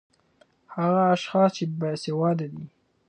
ـ هغه اشخاص چې باسېواده دي